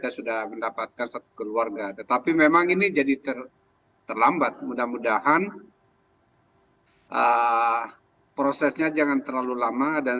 selamat sore mbak